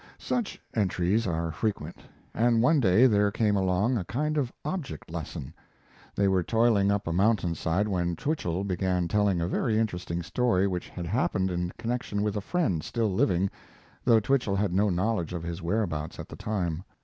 Such entries are frequent, and one day there came along a kind of object lesson. They were toiling up a mountainside, when Twichell began telling a very interesting story which had happened in connection with a friend still living, though Twichell had no knowledge of his whereabouts at this time.